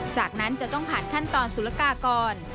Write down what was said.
จากนั้นจะต้องผ่านขั้นตอนสุรกากร